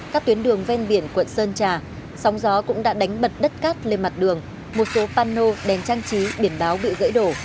các tuyến đường ven biển quận sơn trà sóng gió cũng đã đánh bật đất cát lên mặt đường một số pano đèn trang trí biển báo bị gãy đổ